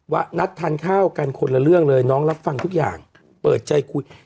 ว่านัดทานข้าวกันคนละเรื่องเลยน้องรับฟังทุกอย่างเปิดใจคุย